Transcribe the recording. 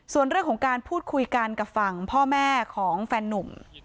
ส่วนเรื่องของการพูดคุยกันกับฝั่งพ่อแม่ของแฟนนุ่ม